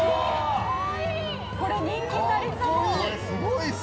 すごい！